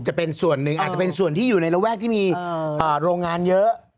จะเป็นส่วนหนึ่งอาจจะเป็นส่วนที่อยู่ในระแวกที่มีโรงงานเยอะ